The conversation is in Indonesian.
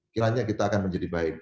kiranya kita akan menjadi baik